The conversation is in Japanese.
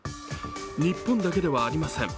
日本だけではありません。